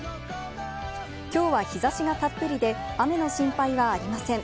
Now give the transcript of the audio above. きょうは日差しがたっぷりで、雨の心配はありません。